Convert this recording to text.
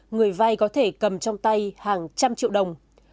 người vay có thể cầm trong tay hàng trăm triệu đồng